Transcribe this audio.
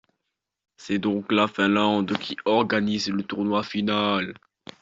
C'est donc la Finlande qui organise le tournoi final.